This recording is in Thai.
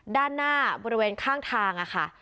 ด้านหน้าบริเวณข้างทางค่ะ